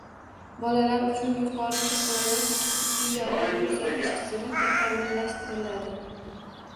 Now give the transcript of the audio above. bolalar uchun yuqori texnologik tibbiy yordam ko‘rsatish tizimi takomillashtiriladi.